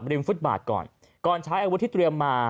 ฟุตบาทก่อนก่อนใช้อาวุธที่เตรียมมา